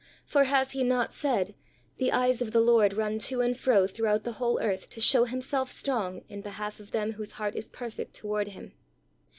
For has He not said, "The eyes of the Lord run to and fro throughout the whole earth to show Himself strong in behalf of them whose heart is perfect toward Him"?